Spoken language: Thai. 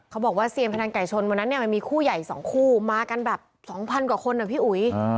เขาบอกว่าเซียนพนันไก่ชนวันนั้นเนี่ยมันมีคู่ใหญ่๒คู่มากันแบบ๒๐๐กว่าคนนะพี่อุ๋ย